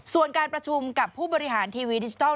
ส่วนการประชุมกับผู้บริหารทีวีดิจิทัล